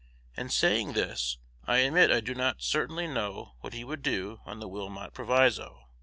In saying this, I admit I do not certainly know what he would do on the Wilmot Proviso.